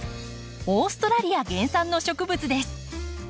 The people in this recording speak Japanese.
オーストラリア原産の植物です。